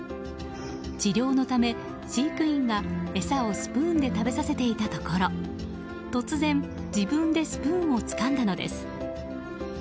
治療のため飼育員が餌をスプーンで食べさせていたところ突然、自分でスプーンをつかんだのです。